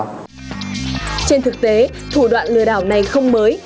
trên thực tế thủ đoạn lừa đảo này không mới